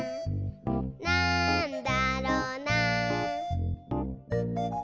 「なんだろな？」